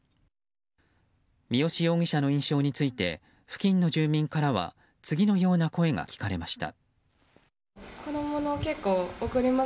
三好容疑者の印象について付近の住民からは次のような声が聞かれました。